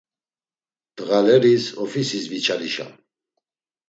Ndğaleris ofisis viçalişam.